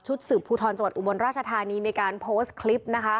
ชุดสืบภูทรจบัตรอุบรรณราชาธารณีมีการโพสต์คลิปนะคะ